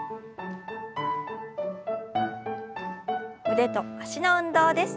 腕と脚の運動です。